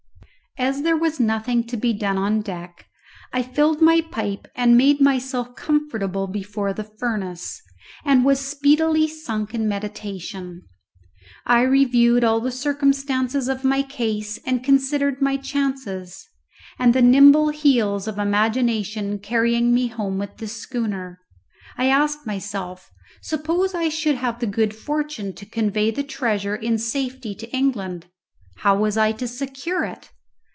As there was nothing to be done on deck, I filled my pipe and made myself comfortable before the furnace, and was speedily sunk in meditation. I reviewed all the circumstances of my case and considered my chances, and the nimble heels of imagination carrying me home with this schooner, I asked myself, suppose I should have the good fortune to convey the treasure in safety to England, how was I to secure it?